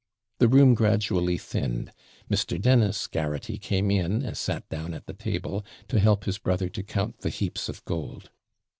The room gradually thinned; Mr. Dennis Garraghty came in, and sat down at the table, to help his brother to count the heaps of gold.